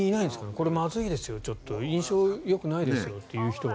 これ、まずいですよ印象よくないですよという人は。